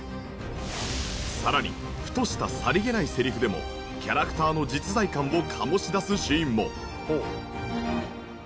さらにふとしたさりげないセリフでもキャラクターの実在感を醸し出すシーンも。